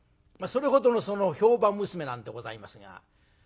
それほどの評判娘なんでございますが。